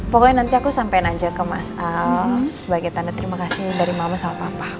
pokoknya nanti aku sampein aja ke mas al sebagai tanda terima kasih dari mama sama papa